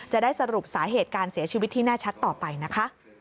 จะได้สรุปสาเหตุการเสียชีวิตที่แน่ชัดต่อไปนะคะ